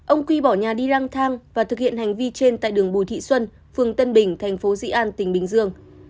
ông quy bỏ nhà đi răng thang và thực hiện hành vi trên tại đường bùi thị xuân phường tân bình thành phố dị an tỉnh bình dương